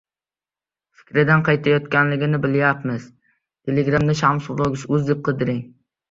fikridan qaytayotganligini bilyapmiz.